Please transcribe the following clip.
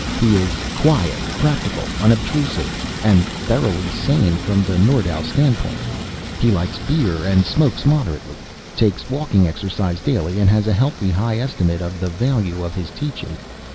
He is quiet, practical, unobtrusive, and thoroughly sane, from the Nordau standpoint. He likes beer, and smokes moderately, takes walking exercise daily, and has a healthily high estimate of the value of his teaching.